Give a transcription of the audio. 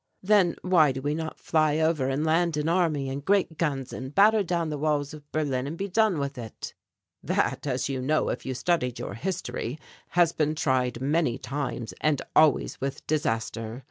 "Then why do we not fly over and land an army and great guns and batter down the walls of Berlin and he done with it?" "That, as you know if you studied your history, has been tried many times and always with disaster.